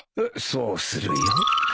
そうするよ。